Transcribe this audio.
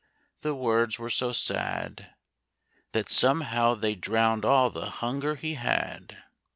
The words were so sad That somehow they drowned all the hunger he had.